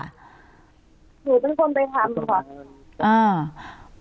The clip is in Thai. หนูเป็นคนไปทำค่ะ